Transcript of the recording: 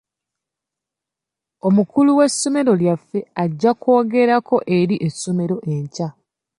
Omukulu w'essomero lyaffe ajja okwogerako eri essomero enkya.